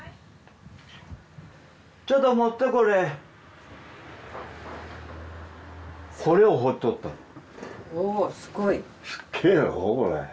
ちょっと持ってこれこれを掘っとったのおすごいすっげえやろ？